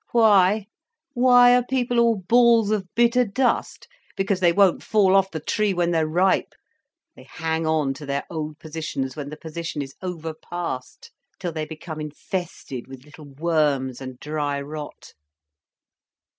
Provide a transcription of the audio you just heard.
"Why, why are people all balls of bitter dust? Because they won't fall off the tree when they're ripe. They hang on to their old positions when the position is over past, till they become infested with little worms and dry rot."